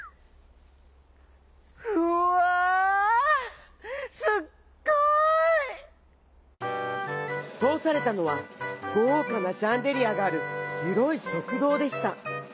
「うわ！すっごい！」。とおされたのはごうかなシャンデリアがあるひろいしょくどうでした。